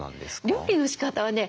料理のしかたはね